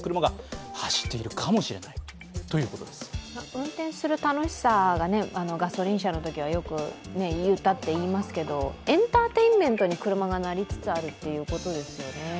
運転する楽しさがガソリン車の時はよくあったと言われますけどエンターテインメントに車がなりつつあるということですね。